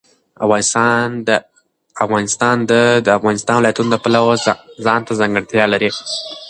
افغانستان د د افغانستان ولايتونه د پلوه ځانته ځانګړتیا لري.